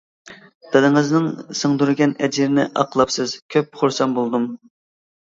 دادىڭىزنىڭ سىڭدۈرگەن ئەجرىنى ئاقلاپسىز، كۆپ خۇرسەن بولدۇم.